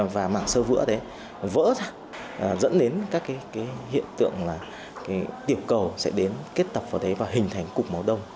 và mạng sơ vữa vỡ ra dẫn đến các hiện tượng là tiểu cầu sẽ đến kết tập vào đấy và hình thành cục máu đông